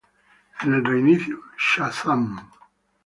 En el reinicio "Shazam!